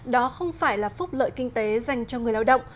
đó không phải là phúc lợi kinh tế dành cho người lao động